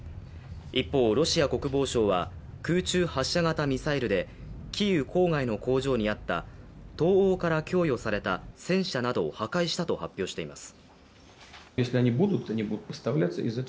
一方、ロシア国防省は空中発射型ミサイルでキーウ郊外の工場にあった東欧から供与された戦車などを破壊したと発表しています。